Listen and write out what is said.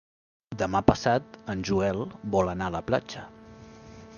Demà passat en Joel vol anar a la platja.